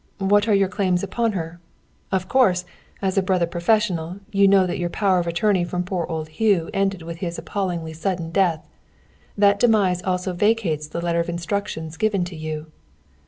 What are your claims upon her? "Of course, as a brother professional, you know that your power of attorney from poor old Hugh ended with his appallingly sudden death. That demise also vacates the letter of instructions given to you."